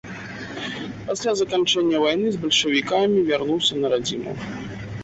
Пасля заканчэння вайны з бальшавікамі вярнуўся на радзіму.